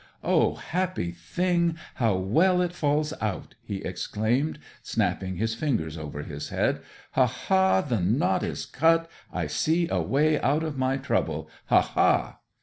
'O, happy thing! How well it falls out!' he exclaimed, snapping his, fingers over his head. 'Ha ha the knot is cut I see a way out of my trouble ha ha!'